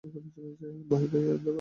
ভয় পাইয়ে দেবার জন্য যথেষ্ট।